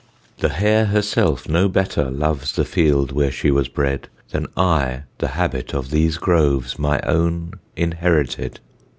The hare herself no better loves The field where she was bred, Than I the habit of these groves, My own inherited.